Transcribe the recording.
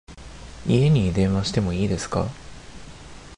家に電話しても良いですか？